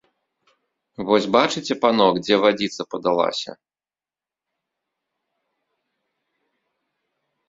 Вось бачыце, панок, дзе вадзіца падалася.